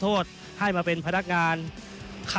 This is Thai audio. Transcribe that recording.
เพราะล่ะนะคะ